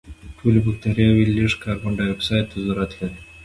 ټولې بکټریاوې لږ کاربن دای اکسایډ ته ضرورت لري.